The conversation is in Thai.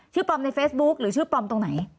ปลอมในเฟซบุ๊คหรือชื่อปลอมตรงไหน